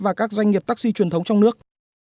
và các doanh nghiệp taxi truyền thống trong nước